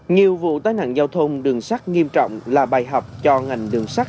nhiều vụ tai nạn giao thông đường sắt nghiêm trọng là bài học cho ngành đường sắt